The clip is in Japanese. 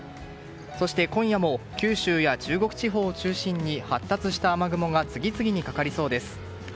そして、今夜も九州や中国地方を中心に発達した雨雲が次々にかかりそうです。